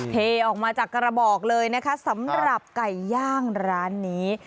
เทออกมาจากกระบอกเลยนะคะสำหรับไก่ย่างร้านนี้